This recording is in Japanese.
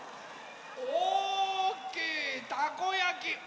おおきいたこやき！